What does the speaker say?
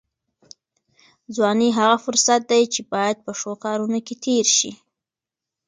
ځواني هغه فرصت دی چې باید په ښو کارونو کې تېر شي.